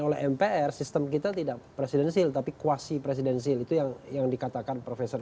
oleh mpr sistem kita tidak presidensil tapi kuasi presidensil itu yang dikatakan profesor